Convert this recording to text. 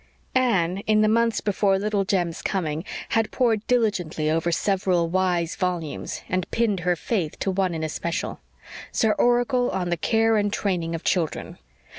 Anne, in the months before Little Jem's coming, had pored diligently over several wise volumes, and pinned her faith to one in especial, "Sir Oracle on the Care and Training of Children."